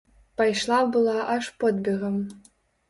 Пайшла была аж подбегам.